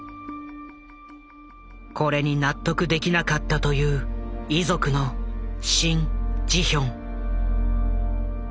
これに納得できなかったという遺族のシン・ジヒョン。